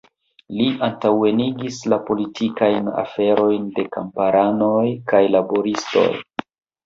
Li antaŭenigis la politikajn aferojn de kamparanoj kaj laboristoj.